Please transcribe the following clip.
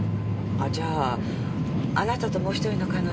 じゃああなたともう１人の彼女は。